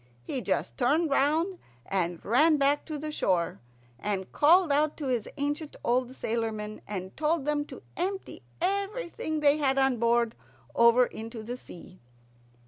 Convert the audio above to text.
He just turned round and ran back to the shore, and called out to his ancient old sailormen and told them to empty everything they had on board over into the sea.